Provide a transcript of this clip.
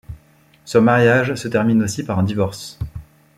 Ce mariage se termine aussi par un divorce.